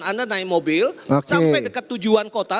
anda naik mobil sampai ke tujuan kota